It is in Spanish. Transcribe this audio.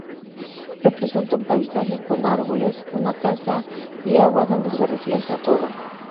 Representa un paisaje, con árboles, una casa y agua donde se refleja todo.